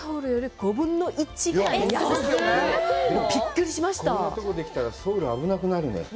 こんなとこできたら、ソウルが危なくなるね。